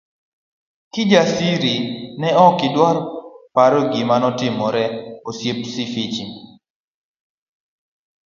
Kijasiri ne ok dwar paro gima notimore ne osiepne Sifichi.